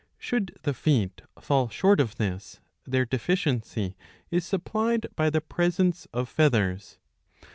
Should the feet fall short of this, their deficiency is supplied by the presence of feathers.